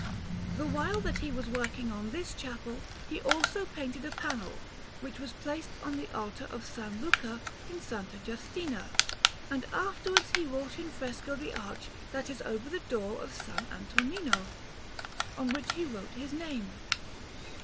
The while that he was working on this chapel, he also painted a panel, which was placed on the altar of S. Luca in S. Justina, and afterwards he wrought in fresco the arch that is over the door of S. Antonino, on which he wrote his name.